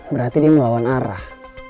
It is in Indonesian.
berarti dia melawan arah